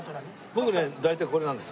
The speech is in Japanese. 僕ね大体これなんです。